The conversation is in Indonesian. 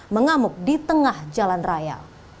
mengamuk di tengah jalan raya